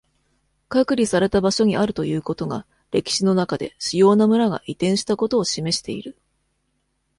隔離された場所にあるということが、歴史の中で主要な村が移転したことを示している。